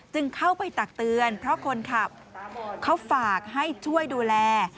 จึงเข้าไปตักเตือนเพราะคนขับเขาฝากให้ช่วยดูแล